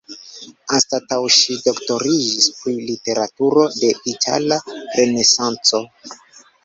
Anstataŭ ŝi doktoriĝis pri literaturo de Itala Renesanco.